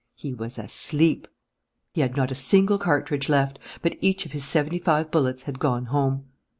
He was asleep! He had not a single cartridge left. But each of his seventy five bullets had gone home.